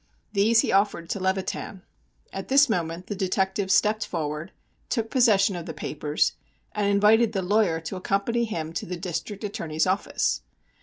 These he offered to Levitan. At this moment the detective stepped forward, took possession of the papers, and invited the lawyer to accompany him to the District Attorney's office.